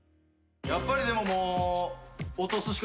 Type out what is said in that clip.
やっぱりでももう。